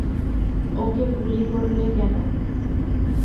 ওকে গুলি করলে কেন?